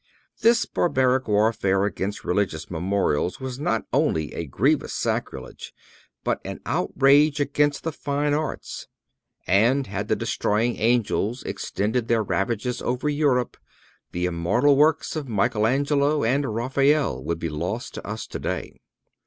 This barbaric warfare against religious memorials was not only a grievous sacrilege, but an outrage against the fine arts; and had the destroying angels extended their ravages over Europe the immortal works of Michael Angelo and Raphael would be lost to us today.